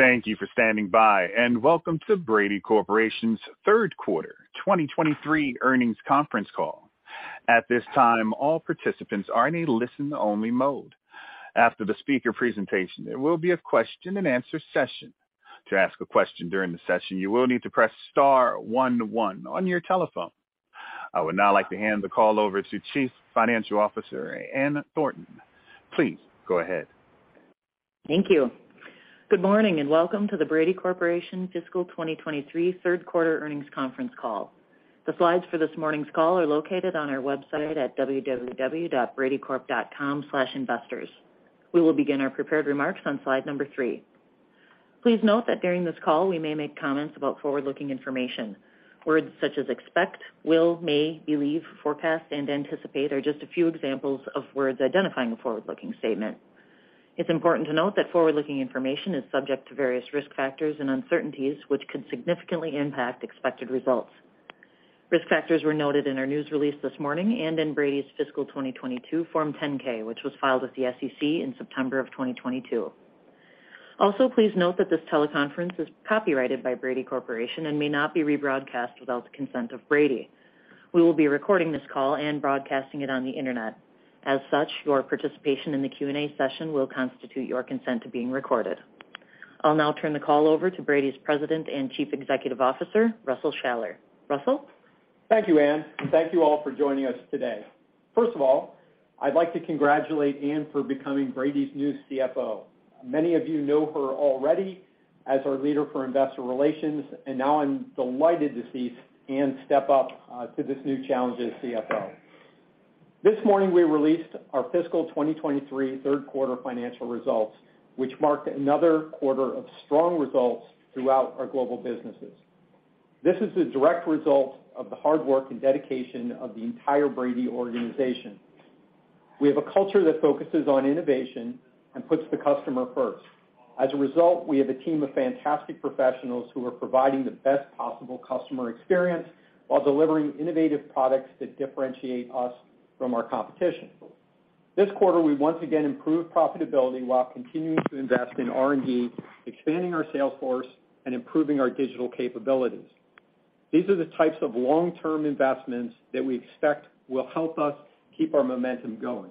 Thank you for standing by. Welcome to Brady Corporation's third quarter 2023 earnings conference call. At this time, all participants are in a listen-only mode. After the speaker presentation, there will be a question-and-answer session. To ask a question during the session, you will need to press star one one on your telephone. I would now like to hand the call over to Chief Financial Officer Ann Thornton. Please go ahead. Thank you. Good morning, and welcome to the Brady Corporation fiscal 2023 third quarter earnings conference call. The slides for this morning's call are located on our website at www.bradycorp.com/investors. We will begin our prepared remarks on slide number three. Please note that during this call, we may make comments about forward-looking information. Words such as expect, will, may, believe, forecast, and anticipate are just a few examples of words identifying a forward-looking statement. It's important to note that forward-looking information is subject to various risk factors and uncertainties, which could significantly impact expected results. Risk factors were noted in our news release this morning and in Brady's fiscal 2022 Form 10-K, which was filed with the SEC in September of 2022. Also, please note that this teleconference is copyrighted by Brady Corporation and may not be rebroadcast without the consent of Brady. We will be recording this call and broadcasting it on the Internet. As such, your participation in the Q&A session will constitute your consent to being recorded. I'll now turn the call over to Brady's President and Chief Executive Officer, Russell Shaller. Russell? Thank you, Ann, and thank you all for joining us today. First of all, I'd like to congratulate Ann for becoming Brady's new CFO. Many of you know her already as our leader for investor relations, and now I'm delighted to see Ann step up to this new challenge as CFO. This morning, we released our fiscal 2023 3rd quarter financial results, which marked another quarter of strong results throughout our global businesses. This is the direct result of the hard work and dedication of the entire Brady organization. We have a culture that focuses on innovation and puts the customer first. As a result, we have a team of fantastic professionals who are providing the best possible customer experience while delivering innovative products that differentiate us from our competition. This quarter, we once again improved profitability while continuing to invest in R&D, expanding our sales force, and improving our digital capabilities. These are the types of long-term investments that we expect will help us keep our momentum going.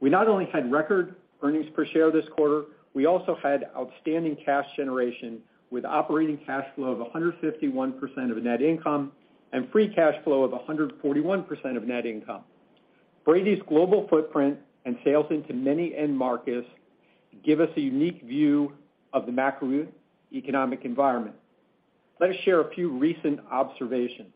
We not only had record earnings per share this quarter, we also had outstanding cash generation with operating cash flow of 151% of net income and free cash flow of 141% of net income. Brady's global footprint and sales into many end markets give us a unique view of the macroeconomic environment. Let me share a few recent observations.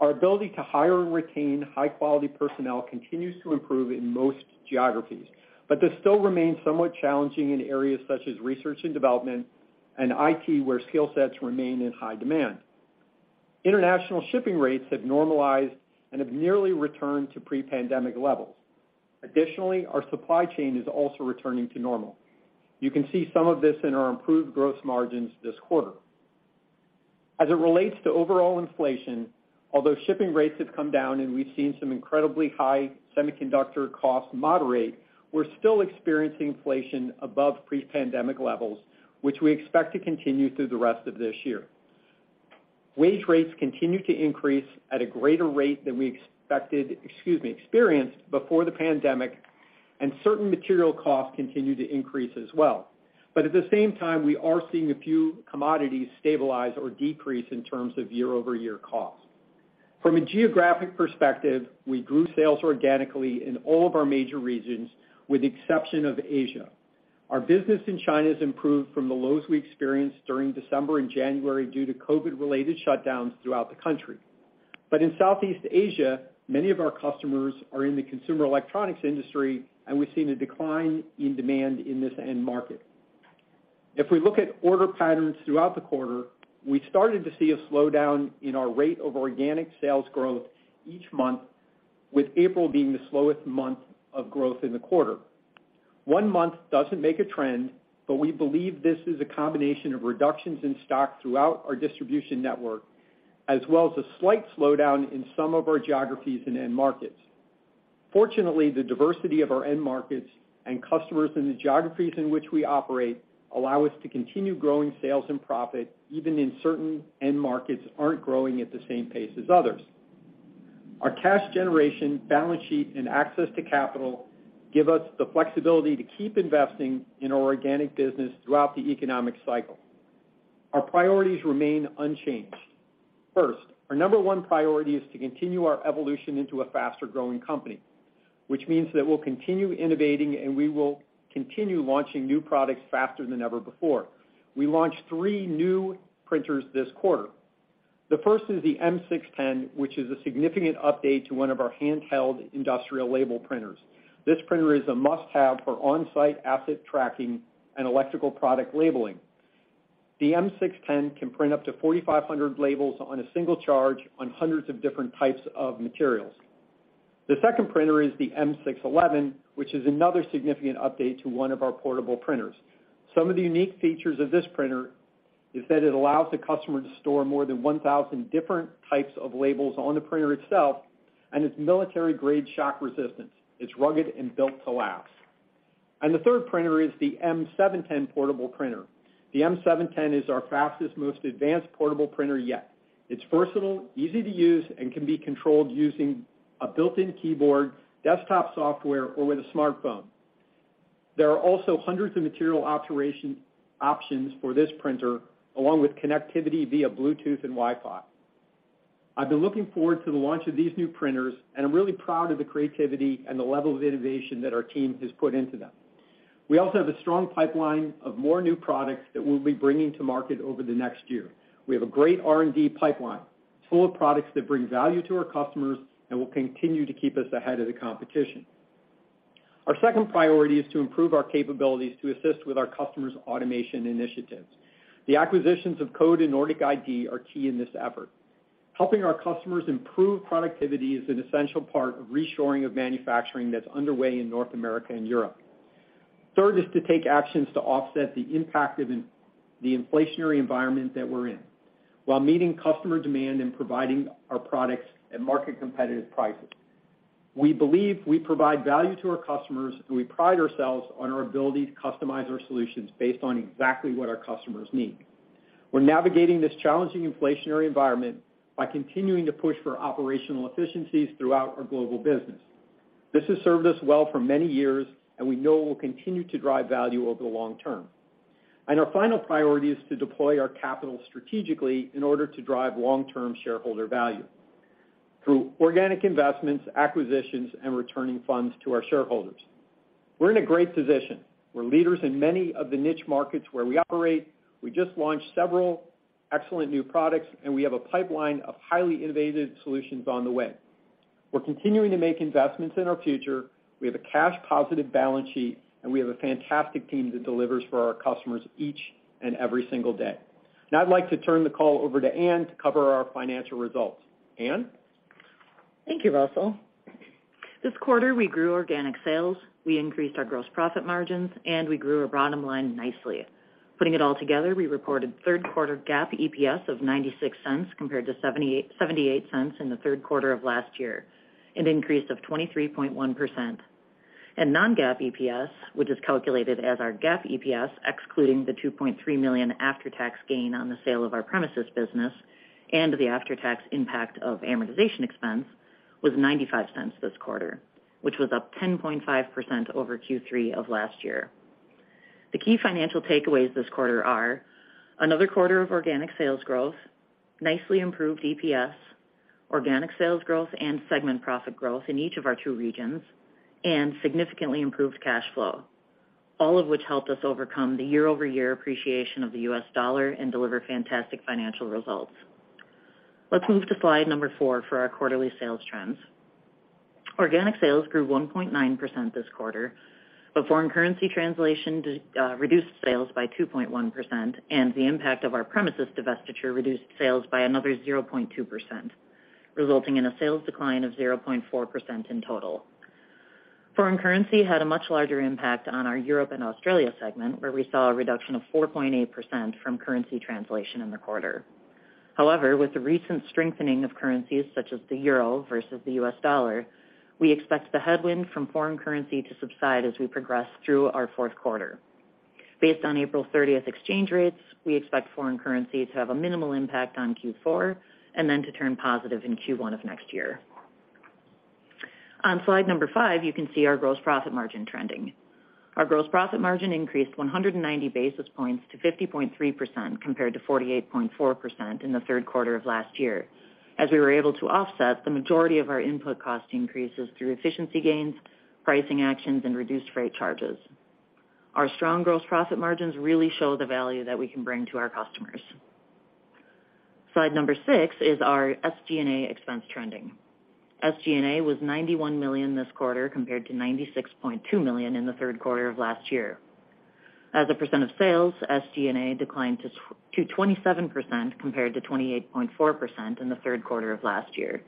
Our ability to hire and retain high-quality personnel continues to improve in most geographies, but this still remains somewhat challenging in areas such as research and development and IT, where skill sets remain in high demand. International shipping rates have normalized and have nearly returned to pre-pandemic levels. Additionally, our supply chain is also returning to normal. You can see some of this in our improved growth margins this quarter. As it relates to overall inflation, although shipping rates have come down and we've seen some incredibly high semiconductor costs moderate, we're still experiencing inflation above pre-pandemic levels, which we expect to continue through the rest of this year. Wage rates continue to increase at a greater rate than we experienced before the pandemic, and certain material costs continue to increase as well. At the same time, we are seeing a few commodities stabilize or decrease in terms of year-over-year costs. From a geographic perspective, we grew sales organically in all of our major regions, with the exception of Asia. Our business in China has improved from the lows we experienced during December and January due to COVID-related shutdowns throughout the country. In Southeast Asia, many of our customers are in the consumer electronics industry, and we've seen a decline in demand in this end market. We look at order patterns throughout the quarter, we started to see a slowdown in our rate of organic sales growth each month, with April being the slowest month of growth in the quarter. One month doesn't make a trend, but we believe this is a combination of reductions in stock throughout our distribution network, as well as a slight slowdown in some of our geographies and end markets. Fortunately, the diversity of our end markets and customers in the geographies in which we operate allow us to continue growing sales and profit, even in certain end markets aren't growing at the same pace as others. Our cash generation, balance sheet, and access to capital give us the flexibility to keep investing in our organic business throughout the economic cycle. Our priorities remain unchanged. First, our number one priority is to continue our evolution into a faster-growing company, which means that we'll continue innovating, and we will continue launching new products faster than ever before. We launched three new printers this quarter. The first is the M610, which is a significant update to one of our handheld industrial label printers. This printer is a must-have for on-site asset tracking and electrical product labeling. The M610 can print up to 4,500 labels on a single charge on hundreds of different types of materials. The second printer is the M611, which is another significant update to one of our portable printers. Some of the unique features of this printer is that it allows the customer to store more than 1,000 different types of labels on the printer itself, and it's military-grade shock resistance. It's rugged and built to last. The third printer is the M710 portable printer. The M710 is our fastest, most advanced portable printer yet. It's versatile, easy to use, and can be controlled using a built-in keyboard, desktop software, or with a smartphone. There are also hundreds of material operation options for this printer, along with connectivity via Bluetooth and Wi-Fi. I've been looking forward to the launch of these new printers, and I'm really proud of the creativity and the level of innovation that our team has put into them. We also have a strong pipeline of more new products that we'll be bringing to market over the next year. We have a great R&D pipeline full of products that bring value to our customers and will continue to keep us ahead of the competition. Our second priority is to improve our capabilities to assist with our customers' automation initiatives. The acquisitions of Code and Nordic ID are key in this effort. Helping our customers improve productivity is an essential part of reshoring of manufacturing that's underway in North America and Europe. Third is to take actions to offset the impact of the inflationary environment that we're in, while meeting customer demand and providing our products at market-competitive prices. We believe we provide value to our customers, and we pride ourselves on our ability to customize our solutions based on exactly what our customers need. We're navigating this challenging inflationary environment by continuing to push for operational efficiencies throughout our global business. This has served us well for many years, and we know it will continue to drive value over the long term. Our final priority is to deploy our capital strategically in order to drive long-term shareholder value through organic investments, acquisitions, and returning funds to our shareholders. We're in a great position. We're leaders in many of the niche markets where we operate. We just launched several excellent new products, and we have a pipeline of highly innovative solutions on the way. We're continuing to make investments in our future. We have a cash positive balance sheet, and we have a fantastic team that delivers for our customers each and every single day. Now I'd like to turn the call over to Ann to cover our financial results. Ann? Thank you, Russell. This quarter, we grew organic sales, we increased our gross profit margins, and we grew our bottom line nicely. Putting it all together, we reported third quarter GAAP EPS of $0.96 compared to $0.78 in the third quarter of last year, an increase of 23.1%. non-GAAP EPS, which is calculated as our GAAP EPS, excluding the $2.3 million after-tax gain on the sale of our PremiSys business and the after-tax impact of amortization expense, was $0.95 this quarter, which was up 10.5% over Q3 of last year. The key financial takeaways this quarter are another quarter of organic sales growth, nicely improved EPS, organic sales growth and segment profit growth in each of our two regions, and significantly improved cash flow, all of which helped us overcome the year-over-year appreciation of the U.S. dollar and deliver fantastic financial results. Let's move to slide number four for our quarterly sales trends. Organic sales grew 1.9% this quarter, foreign currency translation reduced sales by 2.1%, the impact of our PremiSys divestiture reduced sales by another 0.2%, resulting in a sales decline of 0.4% in total. Foreign currency had a much larger impact on our Europe and Australia segment, where we saw a reduction of 4.8% from currency translation in the quarter. With the recent strengthening of currencies, such as the euro versus the U.S. dollar, we expect the headwind from foreign currency to subside as we progress through our fourth quarter. Based on April 30th exchange rates, we expect foreign currency to have a minimal impact on Q4 and then to turn positive in Q1 of next year. On slide number five, you can see our gross profit margin trending. Our gross profit margin increased 190 basis points to 50.3% compared to 48.4% in the third quarter of last year, as we were able to offset the majority of our input cost increases through efficiency gains, pricing actions, and reduced freight charges. Our strong gross profit margins really show the value that we can bring to our customers. Slide number six is our SG&A expense trending. SG&A was $91 million this quarter, compared to $96.2 million in the third quarter of last year. As a % of sales, SG&A declined to 27%, compared to 28.4% in the third quarter of last year.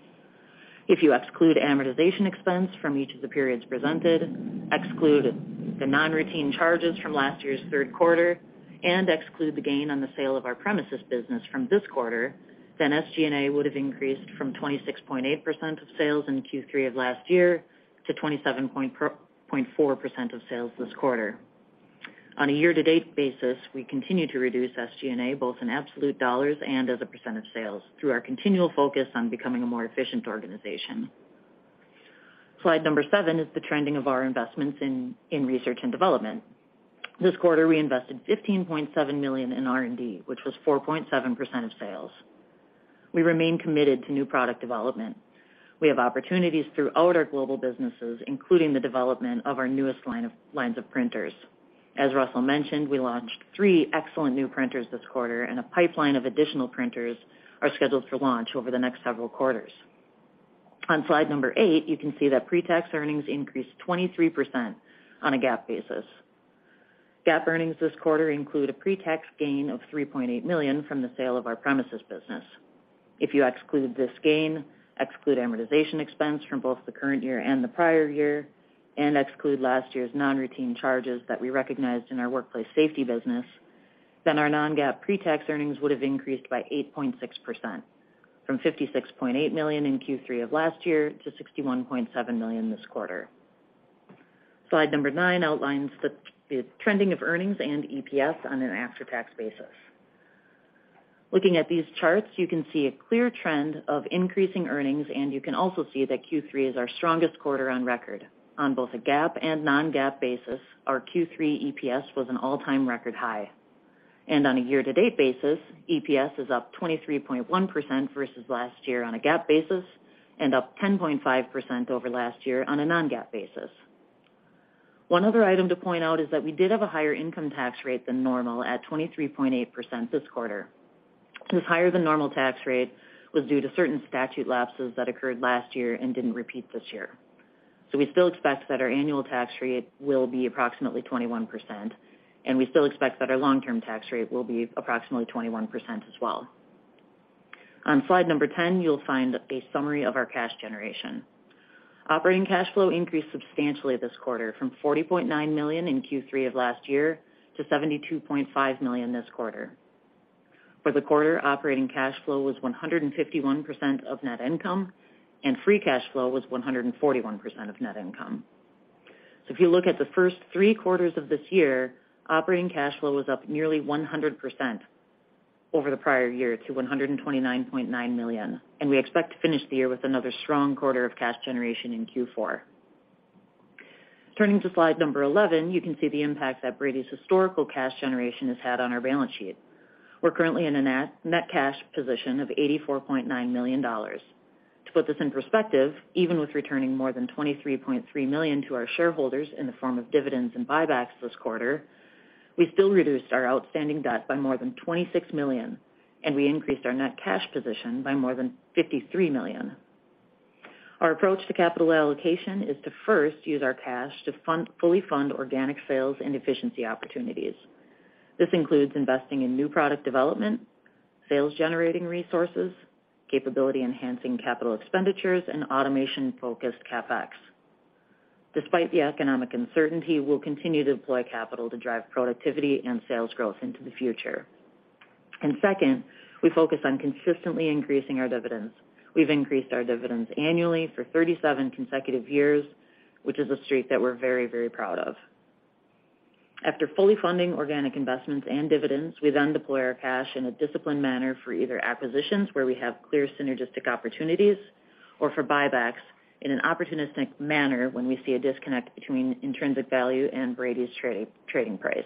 If you exclude amortization expense from each of the periods presented, exclude the non-routine charges from last year's third quarter, and exclude the gain on the sale of our PremiSys business from this quarter, SG&A would have increased from 26.8% of sales in Q3 of last year to 27.4% of sales this quarter. On a year-to-date basis, we continue to reduce SG&A, both in absolute dollars and as a % of sales, through our continual focus on becoming a more efficient organization. Slide number seven is the trending of our investments in research and development. This quarter, we invested $15.7 million in R&D, which was 4.7% of sales. We remain committed to new product development. We have opportunities throughout our global businesses, including the development of our newest lines of printers. As Russell mentioned, we launched 3 excellent new printers this quarter, and a pipeline of additional printers are scheduled for launch over the next several quarters. On slide number eight, you can see that pretax earnings increased 23% on a GAAP basis. GAAP earnings this quarter include a pretax gain of $3.8 million from the sale of our PremiSys business. If you exclude this gain, exclude amortization expense from both the current year and the prior year, and exclude last year's non-routine charges that we recognized in our Workplace Safety business, then our non-GAAP pre-tax earnings would have increased by 8.6% from $56.8 million in Q3 of last year to $61.7 million this quarter. Slide number nine outlines the trending of earnings and EPS on an after-tax basis. Looking at these charts, you can see a clear trend of increasing earnings, and you can also see that Q3 is our strongest quarter on record. On both a GAAP and non-GAAP basis, our Q3 EPS was an all-time record high. On a year-to-date basis, EPS is up 23.1% versus last year on a GAAP basis and up 10.5% over last year on a non-GAAP basis. One other item to point out is that we did have a higher income tax rate than normal at 23.8% this quarter. This higher-than-normal tax rate was due to certain statute lapses that occurred last year and didn't repeat this year. We still expect that our annual tax rate will be approximately 21%, and we still expect that our long-term tax rate will be approximately 21% as well. On slide number 10, you'll find a summary of our cash generation. Operating cash flow increased substantially this quarter from $40.9 million in Q3 of last year to $72.5 million this quarter. For the quarter, operating cash flow was 151% of net income, and free cash flow was 141% of net income. If you look at the first three quarters of this year, operating cash flow was up nearly 100% over the prior year to $129.9 million, and we expect to finish the year with another strong quarter of cash generation in Q4. Turning to slide number 11, you can see the impact that Brady's historical cash generation has had on our balance sheet. We're currently in a net cash position of $84.9 million. To put this in perspective, even with returning more than $23.3 million to our shareholders in the form of dividends and buybacks this quarter, we still reduced our outstanding debt by more than $26 million, and we increased our net cash position by more than $53 million. Our approach to capital allocation is to first use our cash to fully fund organic sales and efficiency opportunities. This includes investing in new product development, sales-generating resources, capability-enhancing capital expenditures, and automation-focused CapEx. Despite the economic uncertainty, we'll continue to deploy capital to drive productivity and sales growth into the future. Second, we focus on consistently increasing our dividends. We've increased our dividends annually for 37 consecutive years, which is a streak that we're very proud of. After fully funding organic investments and dividends, we then deploy our cash in a disciplined manner for either acquisitions where we have clear synergistic opportunities or for buybacks in an opportunistic manner when we see a disconnect between intrinsic value and Brady's trading price.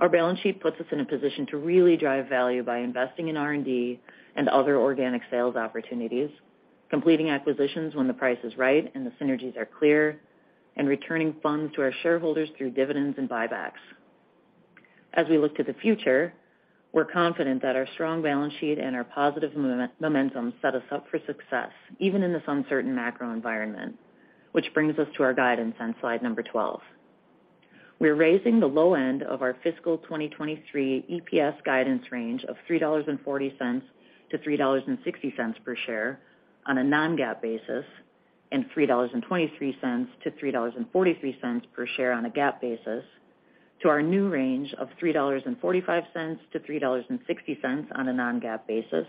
Our balance sheet puts us in a position to really drive value by investing in R&D and other organic sales opportunities, completing acquisitions when the price is right and the synergies are clear, and returning funds to our shareholders through dividends and buybacks. As we look to the future, we're confident that our strong balance sheet and our positive momentum set us up for success, even in this uncertain macro environment. Which brings us to our guidance on slide number 12. We're raising the low end of our fiscal 2023 EPS guidance range of $3.40-$3.60 per share on a non-GAAP basis and $3.23-$3.43 per share on a GAAP basis to our new range of $3.45-$3.60 on a non-GAAP basis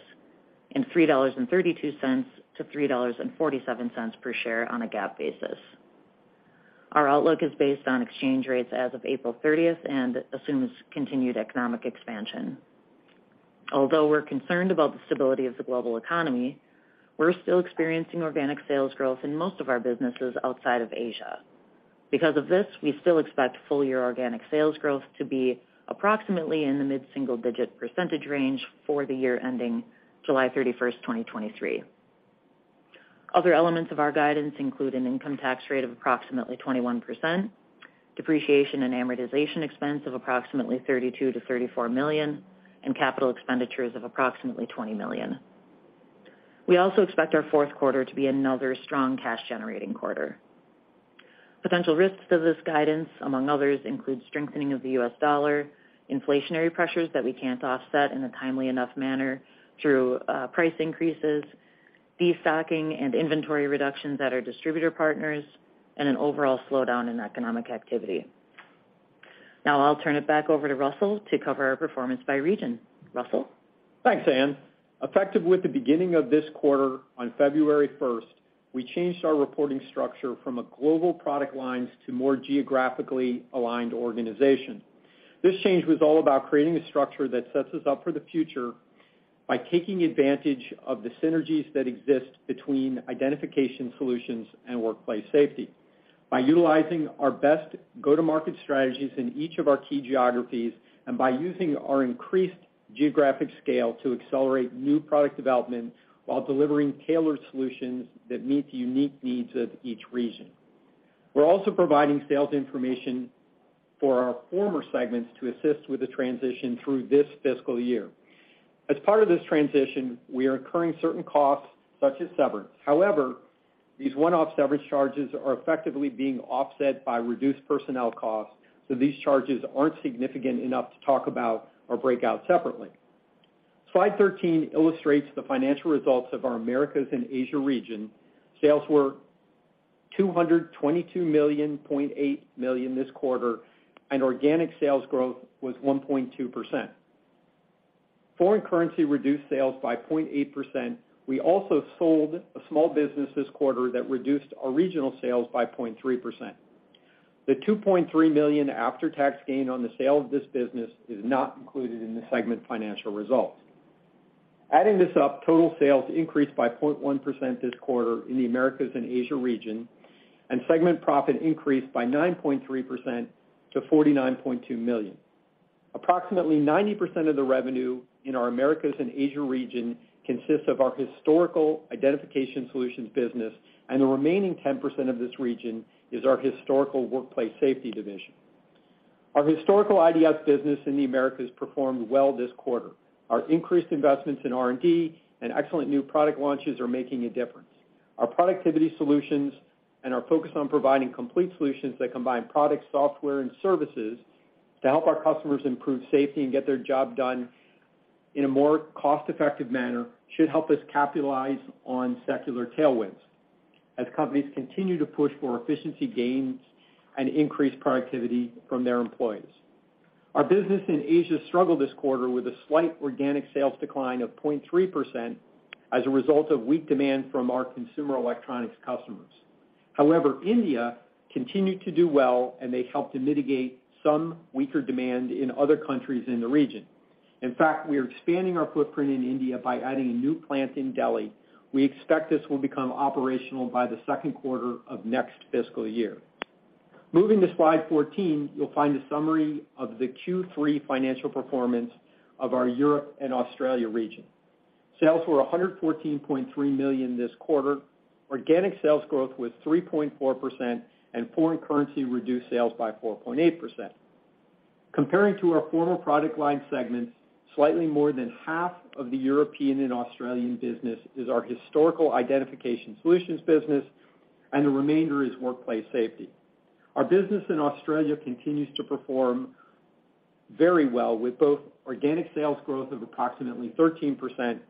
and $3.32-$3.47 per share on a GAAP basis. Our outlook is based on exchange rates as of April 30th and assumes continued economic expansion. Although we're concerned about the stability of the global economy, we're still experiencing organic sales growth in most of our businesses outside of Asia. Because of this, we still expect full-year organic sales growth to be approximately in the mid-single-digit percentage range for the year ending July 31st, 2023. Other elements of our guidance include an income tax rate of approximately 21%, depreciation and amortization expense of approximately $32 million-$34 million, and capital expenditures of approximately $20 million. We also expect our fourth quarter to be another strong cash-generating quarter. Potential risks to this guidance, among others, include strengthening of the U.S. dollar, inflationary pressures that we can't offset in a timely enough manner through price increases, destocking and inventory reductions at our distributor partners, and an overall slowdown in economic activity. Now I'll turn it back over to Russell to cover our performance by region. Russell? Thanks, Ann. Effective with the beginning of this quarter on February first, we changed our reporting structure from a global product lines to more geographically aligned organization. This change was all about creating a structure that sets us up for the future by taking advantage of the synergies that exist between Identification Solutions and Workplace Safety, by utilizing our best go-to-market strategies in each of our key geographies, and by using our increased geographic scale to accelerate new product development while delivering tailored solutions that meet the unique needs of each region. We're also providing sales information for our former segments to assist with the transition through this fiscal year. As part of this transition, we are incurring certain costs, such as severance. These one-off severance charges are effectively being offset by reduced personnel costs, so these charges aren't significant enough to talk about or break out separately. Slide 13 illustrates the financial results of our Americas and Asia region. Sales were $222 million point 8 million this quarter, and organic sales growth was 1.2%. Foreign currency reduced sales by 0.8%. We also sold a small business this quarter that reduced our regional sales by 0.3%. The $2.3 million after-tax gain on the sale of this business is not included in the segment financial results. Adding this up, total sales increased by 0.1% this quarter in the Americas and Asia region, and segment profit increased by 9.3%-$49.2 million. Approximately 90% of the revenue in our Americas and Asia region consists of our historical Identification Solutions business, and the remaining 10% of this region is our historical Workplace Safety division. Our historical IDS business in the Americas performed well this quarter. Our increased investments in R&D and excellent new product launches are making a difference. Our productivity solutions and our focus on providing complete solutions that combine product, software, and services to help our customers improve safety and get their job done in a more cost-effective manner should help us capitalize on secular tailwinds as companies continue to push for efficiency gains and increase productivity from their employees. Our business in Asia struggled this quarter with a slight organic sales decline of 0.3% as a result of weak demand from our consumer electronics customers. India continued to do well, and they helped to mitigate some weaker demand in other countries in the region. In fact, we are expanding our footprint in India by adding a new plant in Delhi. We expect this will become operational by the second quarter of next fiscal year. Moving to slide 14, you'll find a summary of the Q3 financial performance of our Europe and Australia region. Sales were $114.3 million this quarter. Organic sales growth was 3.4%, and foreign currency reduced sales by 4.8%. Comparing to our former product line segments, slightly more than half of the European and Australian business is our historical Identification Solutions business, and the remainder is Workplace Safety. Our business in Australia continues to perform very well with both organic sales growth of approximately 13%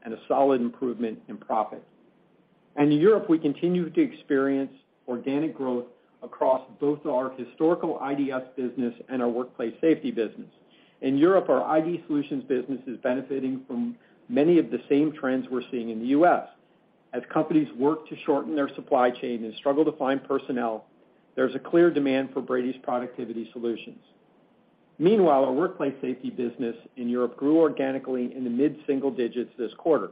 and a solid improvement in profit. In Europe, we continue to experience organic growth across both our historical IDS business and our Workplace Safety business. In Europe, our ID Solutions business is benefiting from many of the same trends we're seeing in the U.S. As companies work to shorten their supply chain and struggle to find personnel, there's a clear demand for Brady's productivity solutions. Meanwhile, our Workplace Safety business in Europe grew organically in the mid-single digits this quarter.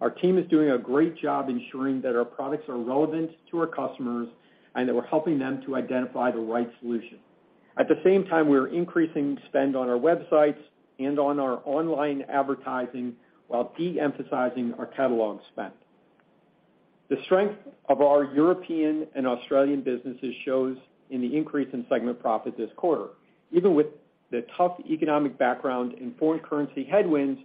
Our team is doing a great job ensuring that our products are relevant to our customers and that we're helping them to identify the right solution. At the same time, we're increasing spend on our websites and on our online advertising while de-emphasizing our catalog spend. The strength of our European and Australian businesses shows in the increase in segment profit this quarter. Even with the tough economic background in foreign currency headwinds,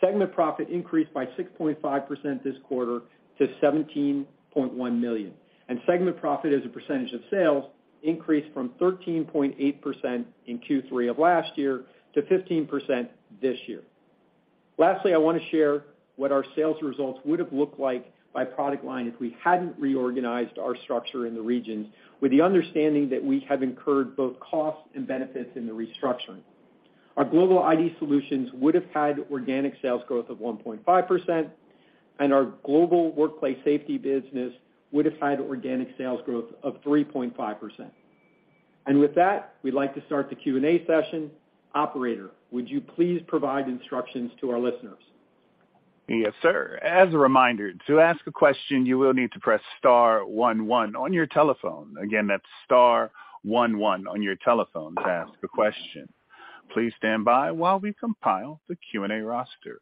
segment profit increased by 6.5% this quarter to $17.1 million. Segment profit as a percentage of sales increased from 13.8% in Q3 of last year to 15% this year. Lastly, I wanna share what our sales results would have looked like by product line if we hadn't reorganized our structure in the regions with the understanding that we have incurred both costs and benefits in the restructuring. Our global ID Solutions would have had organic sales growth of 1.5%, and our global Workplace Safety business would have had organic sales growth of 3.5%. With that, we'd like to start the Q&A session. Operator, would you please provide instructions to our listeners? Yes, sir. As a reminder, to ask a question, you will need to press star one one on your telephone. Again, that's star one one on your telephone to ask a question. Please stand by while we compile the Q&A roster.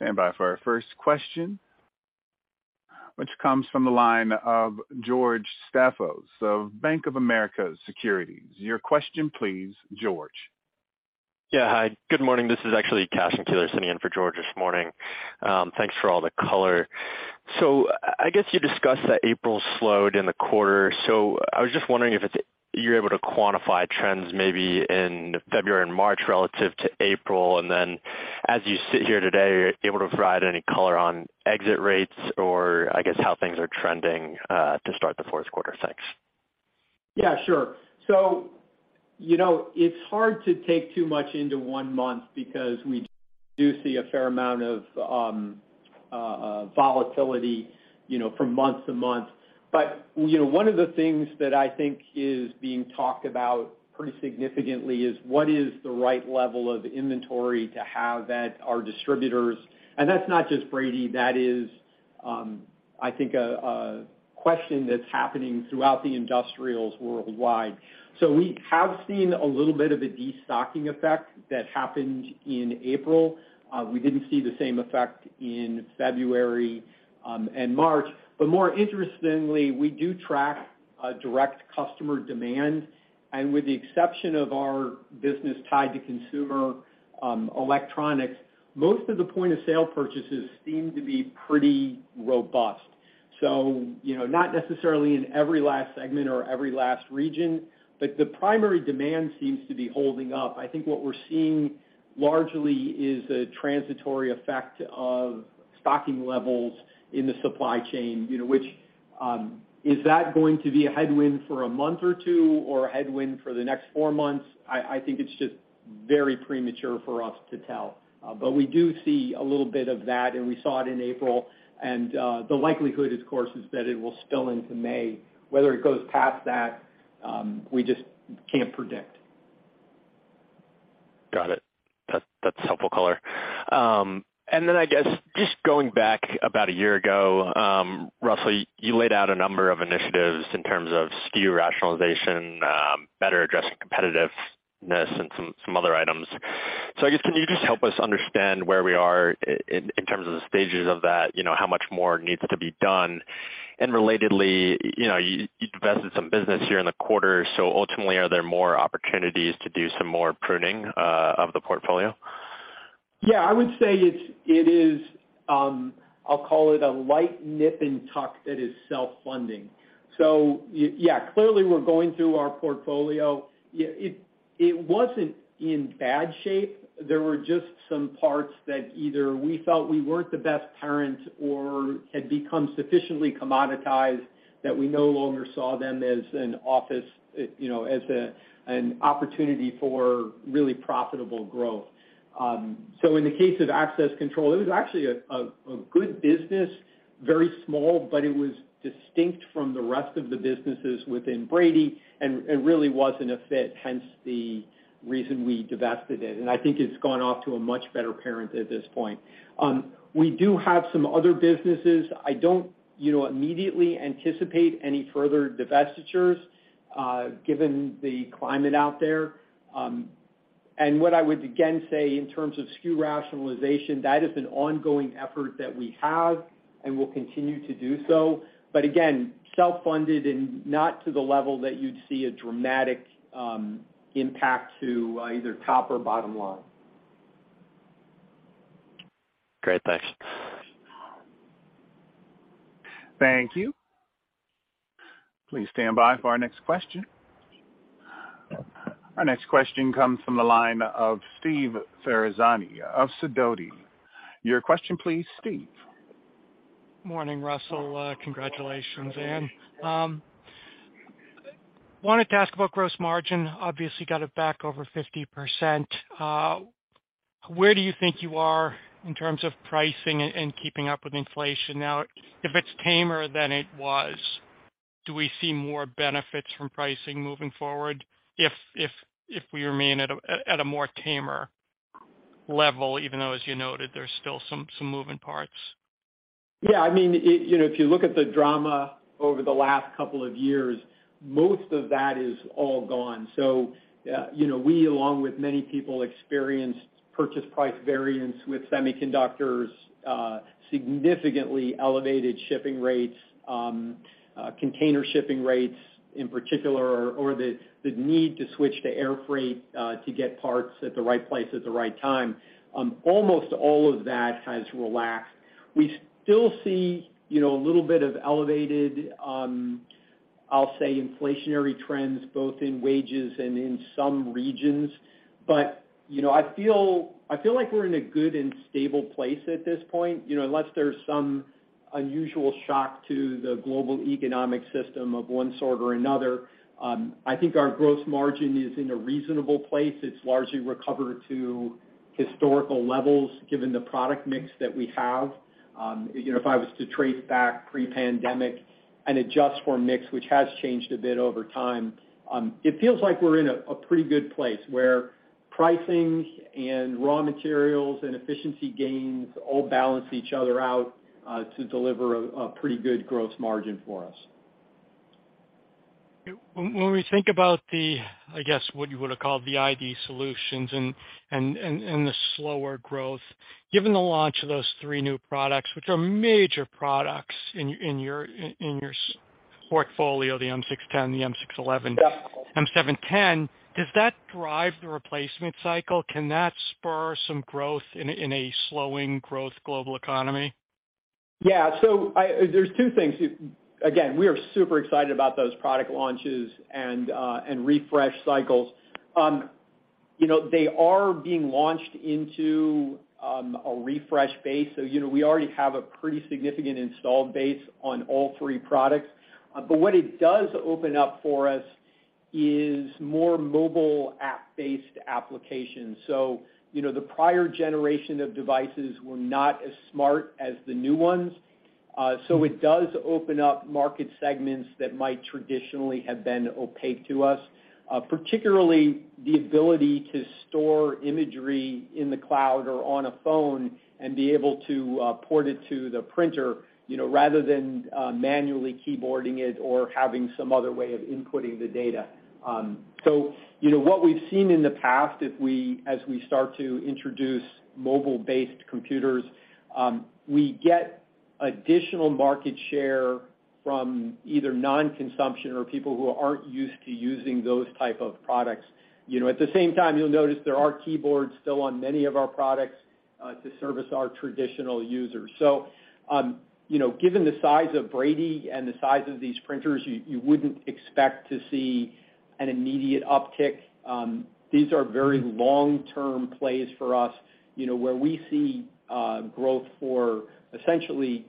Stand by for our first question, which comes from the line of George Staphos of Bank of America Securities. Your question, please, George. Yeah. Hi. Good morning. This is actually Cashen Keeler sitting in for George this morning. Thanks for all the color. I guess you discussed that April slowed in the quarter. I was just wondering if you're able to quantify trends maybe in February and March relative to April. As you sit here today, are you able to provide any color on exit rates or I guess how things are trending to start the fourth quarter? Thanks. Sure. You know, it's hard to take too much into one month because we do see a fair amount of volatility, you know, from month to month. You know, one of the things that I think is being talked about pretty significantly is what is the right level of inventory to have at our distributors. That's not just Brady. That is, I think a question that's happening throughout the industrials worldwide. We have seen a little bit of a destocking effect that happened in April. We didn't see the same effect in February, and March. More interestingly, we do trackA direct customer demand. With the exception of our business tied to consumer, electronics, most of the point-of-sale purchases seem to be pretty robust. You know, not necessarily in every last segment or every last region, but the primary demand seems to be holding up. I think what we're seeing largely is a transitory effect of stocking levels in the supply chain, you know, which is that going to be a headwind for a month or two or a headwind for the next four months? I think it's just very premature for us to tell. We do see a little bit of that, and we saw it in April. The likelihood, of course, is that it will spill into May. Whether it goes past that, we just can't predict. Got it. That's helpful color. I guess just going back about a year ago, Russell, you laid out a number of initiatives in terms of SKU rationalization, better addressing competitiveness and some other items. I guess, can you just help us understand where we are in terms of the stages of that? You know, how much more needs to be done? Relatedly, you know, you divested some business here in the quarter. Ultimately, are there more opportunities to do some more pruning of the portfolio? Yeah, I would say it's, it is, I'll call it a light nip and tuck that is self-funding. Yeah, clearly we're going through our portfolio. It wasn't in bad shape. There were just some parts that either we felt we weren't the best parent or had become sufficiently commoditized that we no longer saw them as an office, you know, as an opportunity for really profitable growth. In the case of access control, it was actually a good business, very small, but it was distinct from the rest of the businesses within Brady and really wasn't a fit, hence the reason we divested it. I think it's gone off to a much better parent at this point. We do have some other businesses. I don't, you know, immediately anticipate any further divestitures given the climate out there. What I would again say in terms of SKU rationalization, that is an ongoing effort that we have and will continue to do so. Again, self-funded and not to the level that you'd see a dramatic impact to either top or bottom line. Great. Thanks. Thank you. Please stand by for our next question. Our next question comes from the line of Steve Ferazani of Sidoti. Your question please, Steve. Morning, Russell. Congratulations Ann. Wanted to ask about gross margin. Obviously got it back over 50%. Where do you think you are in terms of pricing and keeping up with inflation now? If it's tamer than it was, do we see more benefits from pricing moving forward if we remain at a more tamer level, even though, as you noted, there's still some moving parts? I mean, you know, if you look at the drama over the last couple of years, most of that is all gone. you know, we, along with many people, experienced purchase price variance with semiconductors, significantly elevated shipping rates, container shipping rates in particular, or the need to switch to air freight to get parts at the right place at the right time. Almost all of that has relaxed. We still see, you know, a little bit of elevated, I'll say inflationary trends both in wages and in some regions. you know, I feel like we're in a good and stable place at this point. You know, unless there's some unusual shock to the global economic system of one sort or another, I think our gross margin is in a reasonable place. It's largely recovered to historical levels given the product mix that we have. you know, if I was to trace back pre-pandemic and adjust for mix, which has changed a bit over time, it feels like we're in a pretty good place where pricing and raw materials and efficiency gains all balance each other out, to deliver a pretty good gross margin for us. When we think about the, I guess, what you would've called the ID Solutions and the slower growth. Given the launch of those three new products, which are major products in your portfolio, the M610, the M611. Yep. M710, does that drive the replacement cycle? Can that spur some growth in a slowing growth global economy? There's two things. Again, we are super excited about those product launches and refresh cycles. You know, they are being launched into a refresh base. You know, we already have a pretty significant installed base on all three products. What it does open up for us is more mobile app-based applications. You know, the prior generation of devices were not as smart as the new ones. It does open up market segments that might traditionally have been opaque to us, particularly the ability to store imagery in the cloud or on a phone and be able to port it to the printer, you know, rather than manually keyboarding it or having some other way of inputting the data. You know, what we've seen in the past, as we start to introduce mobile-based computers, we get additional market share from either non-consumption or people who aren't used to using those type of products. You know, at the same time, you'll notice there are keyboards still on many of our products, to service our traditional users. You know, given the size of Brady and the size of these printers, you wouldn't expect to see an immediate uptick. These are very long-term plays for us. You know, where we see growth for essentially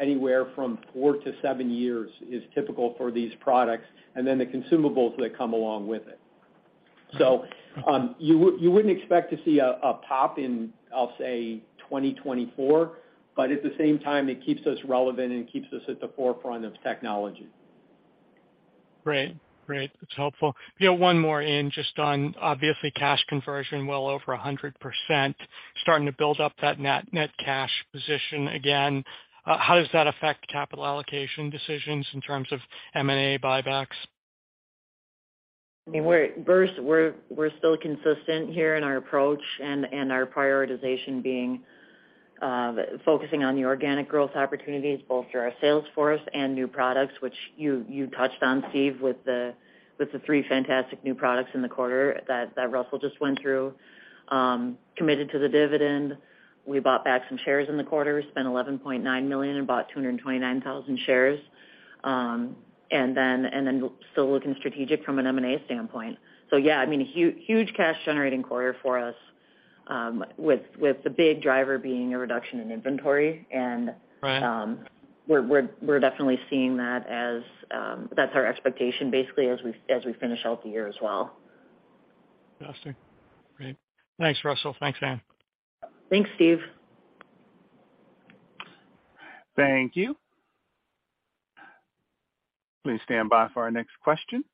anywhere from four to seven years is typical for these products, and then the consumables that come along with it. You wouldn't expect to see a pop in, I'll say, 2024, but at the same time, it keeps us relevant and keeps us at the forefront of technology. Great. That's helpful. You know, one more in just on, obviously, cash conversion well over 100%, starting to build up that net cash position again. How does that affect capital allocation decisions in terms of M&A buybacks? I mean, first, we're still consistent here in our approach and our prioritization being focusing on the organic growth opportunities, both through our sales force and new products, which you touched on, Steve, with the three fantastic new products in the quarter that Russell just went through. Committed to the dividend. We bought back some shares in the quarter, spent $11.9 million and bought 229,000 shares. Still looking strategic from an M&A standpoint. Yeah, I mean, a huge cash-generating quarter for us, with the big driver being a reduction in inventory. Right... we're definitely seeing that as, that's our expectation basically as we finish out the year as well. Fantastic. Great. Thanks, Russell. Thanks, Ann. Thanks, Steve. Thank you. Please stand by for our next question.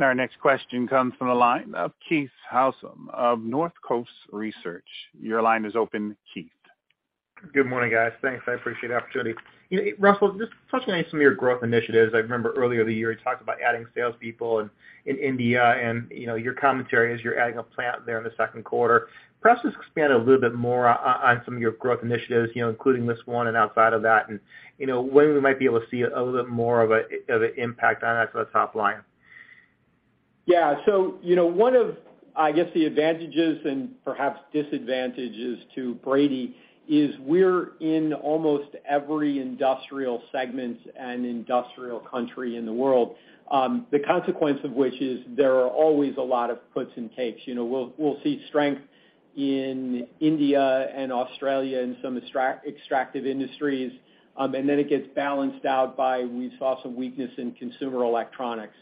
Our next question comes from the line of Keith Housum of Northcoast Research. Your line is open, Keith. Good morning, guys. Thanks. I appreciate the opportunity. You know, Russell, just touching on some of your growth initiatives. I remember earlier in the year you talked about adding salespeople in India and, you know, your commentary as you're adding a plant there in the second quarter. Perhaps just expand a little bit more on some of your growth initiatives, you know, including this one and outside of that, and, you know, when we might be able to see a little bit more of an impact on us on the top line. You know, one of, I guess, the advantages and perhaps disadvantages to Brady is we're in almost every industrial segments and industrial country in the world. The consequence of which is there are always a lot of puts and takes. You know, we'll see strength in India and Australia and some extractive industries, and then it gets balanced out by we saw some weakness in consumer electronics.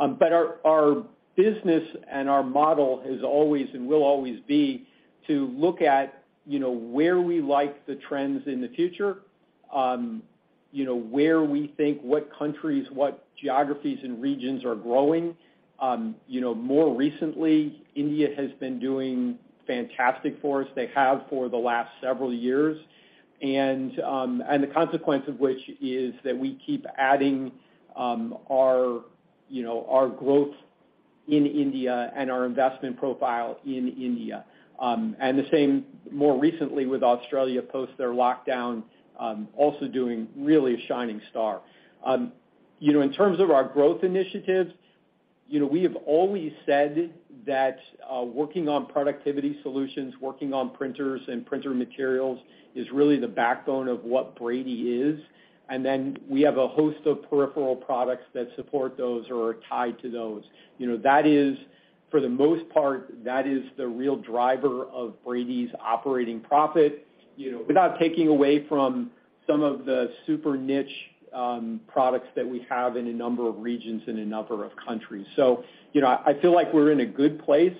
Our business and our model has always and will always be to look at, you know, where we like the trends in the future, you know, where we think what countries, what geographies and regions are growing. You know, more recently, India has been doing fantastic for us. They have for the last several years. The consequence of which is that we keep adding, our, you know, our growth in India and our investment profile in India. The same more recently with Australia post their lockdown, also doing really a shining star. You know, in terms of our growth initiatives, you know, we have always said that working on productivity solutions, working on printers and printer materials is really the backbone of what Brady is. Then we have a host of peripheral products that support those or are tied to those. You know, that is, for the most part, that is the real driver of Brady's operating profit, you know, without taking away from some of the super niche products that we have in a number of regions in a number of countries. you know, I feel like we're in a good place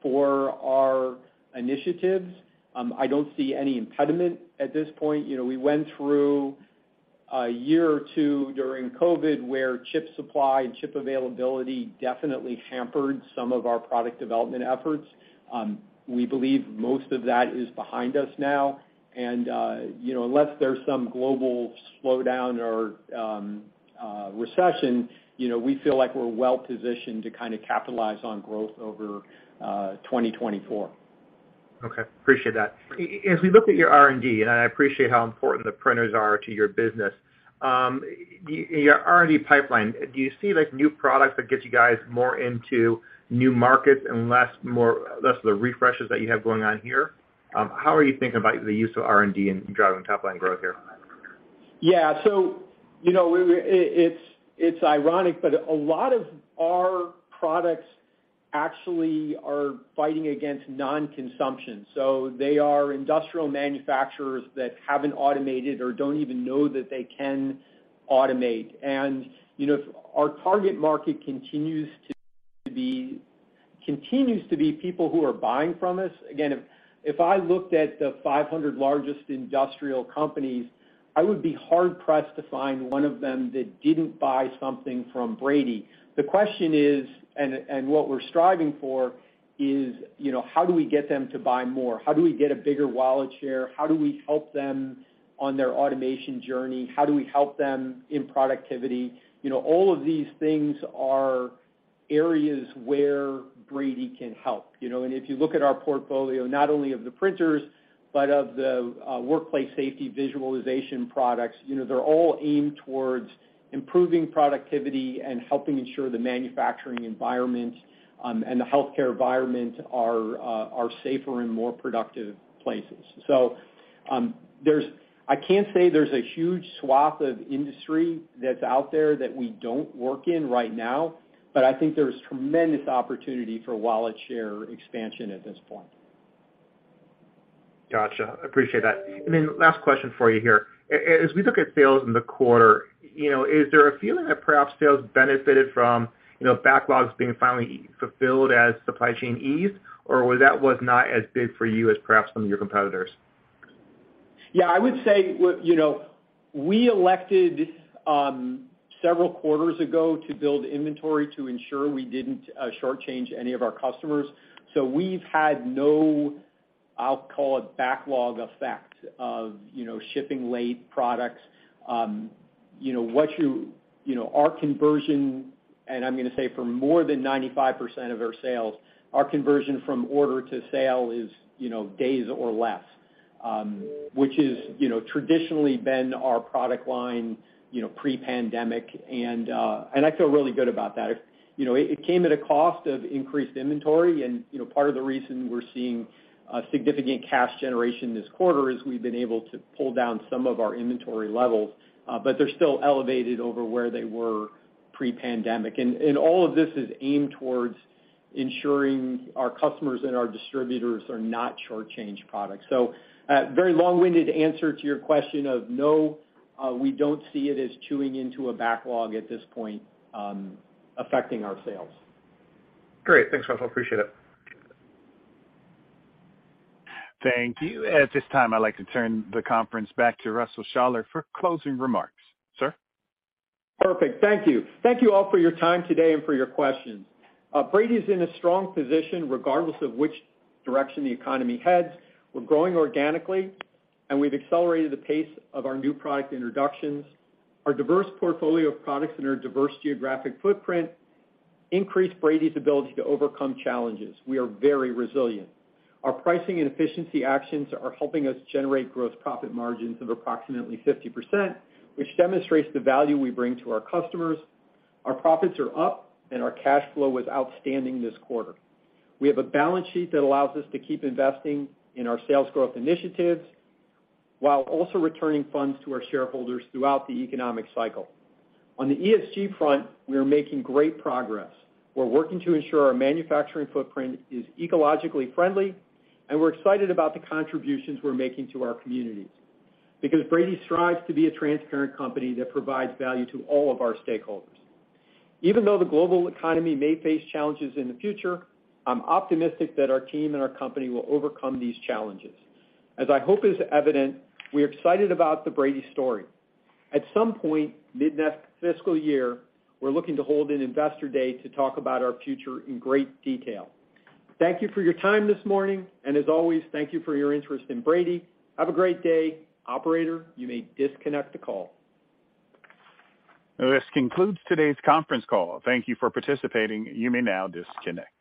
for our initiatives. I don't see any impediment at this point. You know, we went through a year or two during COVID where chip supply and chip availability definitely hampered some of our product development efforts. We believe most of that is behind us now. you know, unless there's some global slowdown or recession, you know, we feel like we're well-positioned to kind of capitalize on growth over, 2024. Okay. Appreciate that. As we look at your R&D, I appreciate how important the printers are to your business, your R&D pipeline, do you see, like, new products that get you guys more into new markets and less the refreshes that you have going on here? How are you thinking about the use of R&D in driving top-line growth here? Yeah. You know, it's ironic, but a lot of our products actually are fighting against non-consumption. They are industrial manufacturers that haven't automated or don't even know that they can automate. You know, our target market continues to be people who are buying from us. Again, if I looked at the 500 largest industrial companies, I would be hard-pressed to find one of them that didn't buy something from Brady. The question is, and what we're striving for is, you know, how do we get them to buy more? How do we get a bigger wallet share? How do we help them on their automation journey? How do we help them in productivity? You know, all of these things are areas where Brady can help. You know, if you look at our portfolio, not only of the printers, but of the workplace safety visualization products, you know, they're all aimed towards improving productivity and helping ensure the manufacturing environment, and the healthcare environment are safer and more productive places. There's I can't say there's a huge swath of industry that's out there that we don't work in right now, but I think there's tremendous opportunity for wallet share expansion at this point. Gotcha. Appreciate that. Last question for you here. As we look at sales in the quarter, you know, is there a feeling that perhaps sales benefited from, you know, backlogs being finally fulfilled as supply chain eased, or was that was not as big for you as perhaps some of your competitors? I would say you know, we elected several quarters ago to build inventory to ensure we didn't shortchange any of our customers. We've had no, I'll call it backlog effect of, you know, shipping late products. You know, what you know, our conversion, and I'm gonna say for more than 95% of our sales, our conversion from order to sale is, you know, days or less, which is, you know, traditionally been our product line, you know, pre-pandemic, and I feel really good about that. You know, it came at a cost of increased inventory and, you know, part of the reason we're seeing a significant cash generation this quarter is we've been able to pull down some of our inventory levels, but they're still elevated over where they were pre-pandemic. All of this is aimed towards ensuring our customers and our distributors are not short-changed products. Very long-winded answer to your question of no, we don't see it as chewing into a backlog at this point, affecting our sales. Great. Thanks, Russell. Appreciate it. Thank you. At this time, I'd like to turn the conference back to Russell Shaller for closing remarks. Sir? Perfect. Thank you. Thank you all for your time today and for your questions. Brady is in a strong position regardless of which direction the economy heads. We're growing organically, and we've accelerated the pace of our new product introductions. Our diverse portfolio of products and our diverse geographic footprint increase Brady's ability to overcome challenges. We are very resilient. Our pricing and efficiency actions are helping us generate gross profit margins of approximately 50%, which demonstrates the value we bring to our customers. Our profits are up, and our cash flow was outstanding this quarter. We have a balance sheet that allows us to keep investing in our sales growth initiatives while also returning funds to our shareholders throughout the economic cycle. On the ESG front, we are making great progress. We're working to ensure our manufacturing footprint is ecologically friendly, and we're excited about the contributions we're making to our communities because Brady strives to be a transparent company that provides value to all of our stakeholders. Even though the global economy may face challenges in the future, I'm optimistic that our team and our company will overcome these challenges. As I hope is evident, we're excited about the Brady story. At some point, mid-next fiscal year, we're looking to hold an Investor Day to talk about our future in great detail. Thank you for your time this morning, and as always, thank you for your interest in Brady. Have a great day. Operator, you may disconnect the call. This concludes today's conference call. Thank you for participating. You may now disconnect.